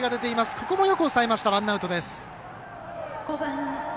ここもよく抑えましたワンアウトです。